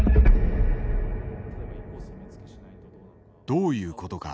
どういうことか。